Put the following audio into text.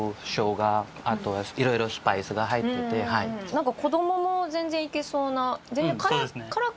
なんか子どもも全然いけそうな。